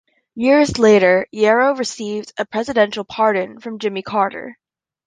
Years later, Yarrow received a presidential pardon from Jimmy Carter.